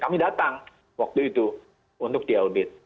kami datang waktu itu untuk diaudit